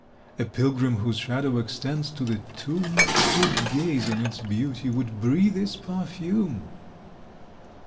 A pilgrim, whose shadow extends to the tomb, Would gaze on its beauty, would breathe its perfume!"